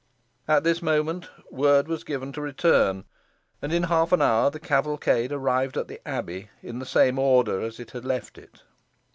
At this moment, word was given to return, and in half an hour the cavalcade arrived at the abbey in the same order it had left it.